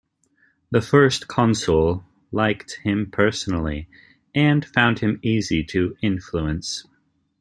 The First Consul liked him personally, and found him easy to influence.